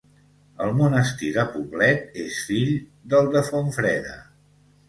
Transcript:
El monestir de Poblet és fill del de Fontfreda.